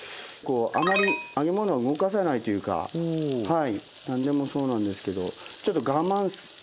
あまり揚げ物は動かさないというか何でもそうなんですけどちょっと我慢。